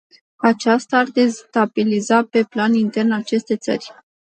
Acesta ar destabiliza pe plan intern aceste țări.